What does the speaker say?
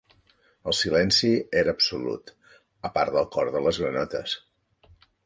El silenci era absolut, a part del cor de les granotes.